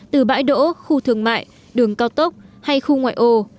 từ bãi đỗ khu thương mại đường cao tốc hay khu ngoại ô